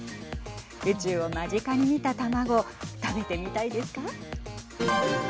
宇宙を間近に見た卵食べてみたいですか。